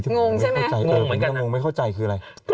โห่อีกทีไม่เข้าใจคืออะไรนะ